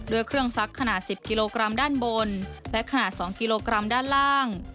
ด้วยเครื่องซักขนาด๑๐กิโลกรัมด้านบนและขนาด๒กิโลกรัมด้านล่าง